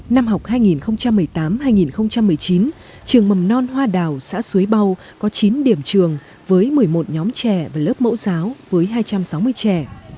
năm học hai nghìn một mươi tám hai nghìn một mươi chín trường mầm non hoa đào xã xuế bâu có chín điểm trường với một mươi một nhóm trẻ và lớp mẫu giáo với hai trăm sáu mươi trẻ